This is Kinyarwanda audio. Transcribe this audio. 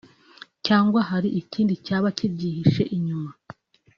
cyangwa hari ikindi cyaba kibyihishe inyuma